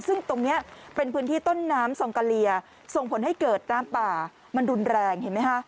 ซึ่งตรงนี้เป็นพื้นที่ต้นน้ำซองกะเลียส่งผลให้เกิดน้ำป่ามันรุนแรงเห็นไหมคะ